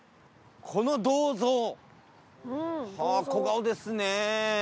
この銅像。はあ小顔ですね。